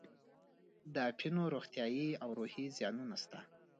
د اپینو روغتیایي او روحي زیانونه شته.